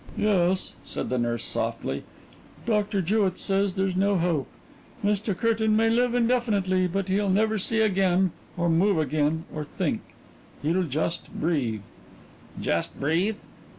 "Yes," said the nurse softly. "Doctor Jewett says there's no hope. Mr. Curtain may live indefinitely, but he'll never see again or move again or think. He'll just breathe." "Just breathe?"